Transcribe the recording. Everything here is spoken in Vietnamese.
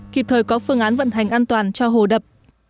kịp thời có phương án vận hành an toàn cho hồ đập